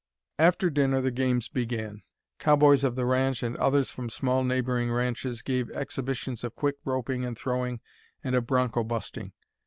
After dinner the games began. Cowboys of the ranch and others from small neighboring ranches gave exhibitions of quick roping and throwing and of broncho busting.